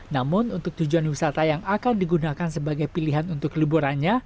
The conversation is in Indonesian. namun untuk tujuan wisata yang akan digunakan sebagai pilihan untuk liburannya